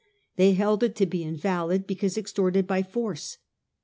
They held it to be invalid, because Henry and oxtortcd by forco.